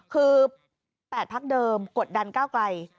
คือ๘พักเดิมกดดันก้าวไกล